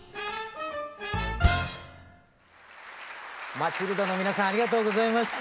マチルダの皆さんありがとうございました。